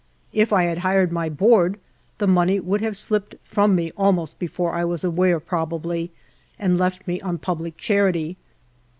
If I had hired my board, the money would have slipped from me almost before I was aware, probably, and left me on public charity.